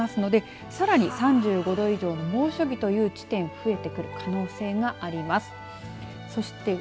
はい、ありますのでさらに３５度以上の猛暑日という地点増えてくる可能性があります。